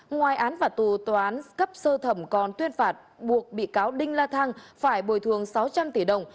ngoài án và tù tòa án cấp sơ thẩm còn tuyên phạt buộc bị cáo đình la thang phải bồi thường sáu trăm linh tỷ đồng